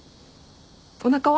おなかは？